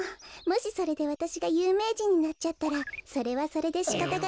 もしそれでわたしがゆうめいじんになっちゃったらそれはそれでしかたがないわ。